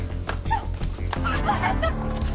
あなた！